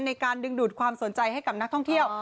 ในการดึงดูดความสนใจให้กับนักท่องเที่ยว